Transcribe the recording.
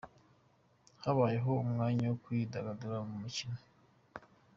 Habayeho umwanya wo kwidagadura mu mikino.